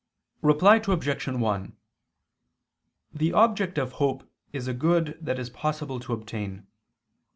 Reply Obj. 1: The object of hope is a good that is possible to obtain.